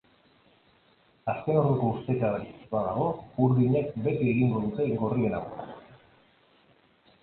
Azken orduko ustekaberik ez badago, urdinek beti egingo dute gorrien aurka.